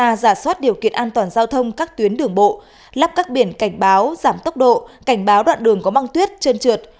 kiểm tra giả soát điều kiện an toàn giao thông các tuyến đường bộ lắp các biển cảnh báo giảm tốc độ cảnh báo đoạn đường có băng tuyết chân trượt